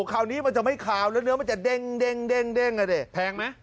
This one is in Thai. คราวนี้มันจะไม่ขาวแล้วเนื้อมันจะเด้งเด้งเด้งเด้งอ่ะเด้ยแพงมั้ย